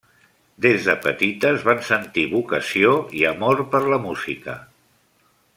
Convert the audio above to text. Des de petites van sentir vocació i amor per la música.